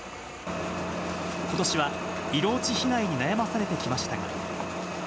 ことしは色落ち被害に悩まされてきましたが。